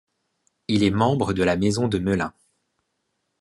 Il est membre de la maison de Melun.